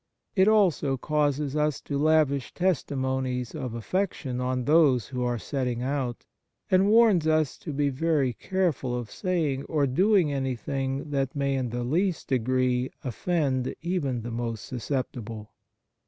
It also causes us to lavish testimonies of affection on those who are setting out, and warns us to be very careful of saying or doing anything that may in the least degree offend even the most susceptible.